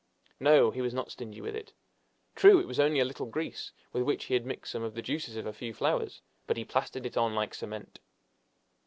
No, he was not stingy with it. True, it was only a little grease, with which he had mixed some of the juices of a few flowers, but he plastered it on like cement!